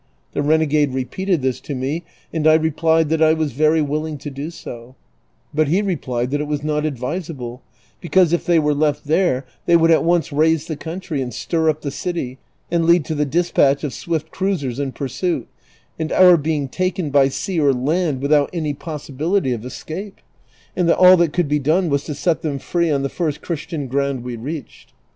The renegade repeated this to me, and I replied that I was very willing to do so ; but he replied that it was not advisable, because if they were left there they would at once raise the country and stir up the city, and lead to the despatch of swift cruisers in pursuit, and our being taken, by sea or land, without any possibility of escape ; and that all that could be done was to set them free on the first Chi'istian ground we reached.